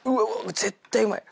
絶対うまい。